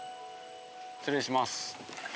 失礼します。